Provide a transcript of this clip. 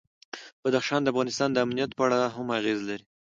بدخشان د افغانستان د امنیت په اړه هم اغېز لري.